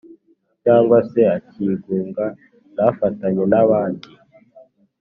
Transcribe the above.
cyangwa se akigunga ntafatanye n'abandi